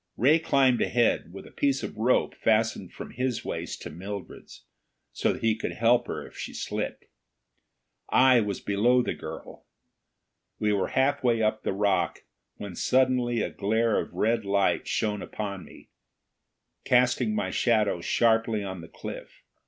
Ray climbed ahead, with a piece of rope fastened from his waist to Mildred's, so that he could help her if she slipped. I was below the girl. We were halfway up the rock when suddenly a glare of red light shone upon me, casting my shadow sharply on the cliff.